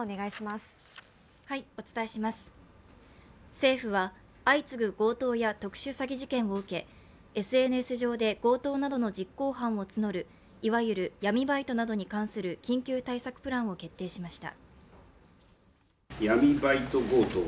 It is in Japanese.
政府は、相次ぐ強盗や特殊詐欺事件を受け、ＳＮＳ上で強盗などの実行犯を募るいわゆる闇バイトなどに関する緊急対策プランを決定しました。